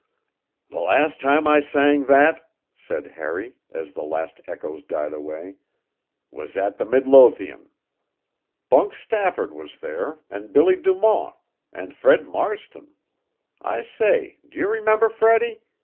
"The last time I sang that," said Harry as the last echoes died away, "was at the Midlothian. Bunk Stafford was there, and Billy Du Mont, and Fred Marston I say, do you remember Freddie?